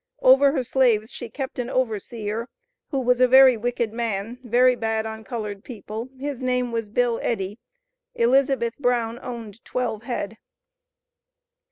Over her slaves she kept an overseer, who was a very wicked man; very bad on colored people; his name was 'Bill Eddy;' Elizabeth Brown owned twelve head."